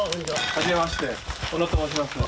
はじめまして小野と申します。